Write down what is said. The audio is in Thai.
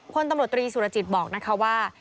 พลตำรวจตรีสุรจิตบอกนะคะว่า